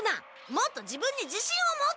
もっと自分に自信を持って！